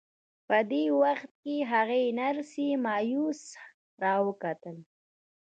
په دې وخت کې هغې نرسې مایوسه را وکتل